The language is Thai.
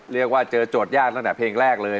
เรียกว่าเจอโจทยากตั้งแต่เพลงแรกเลย